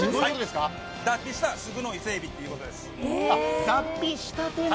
脱皮したすぐの伊勢えびということです。